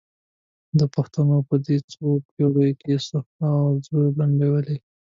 پښتنو په دې څو پېړیو کې سلهاوو زره لنډۍ ویلي.